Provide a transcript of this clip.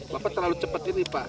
bapak terlalu cepat ini pak